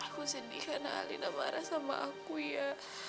aku sedih karena alina marah sama aku ya